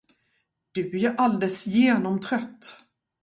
Du är ju alldeles genomtrött.